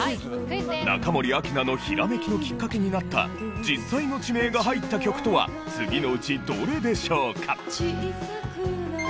中森明菜のひらめきのきっかけになった実際の地名が入った曲とは次のうちどれでしょうか？